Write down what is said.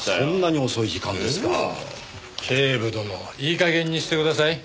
警部殿いい加減にしてください。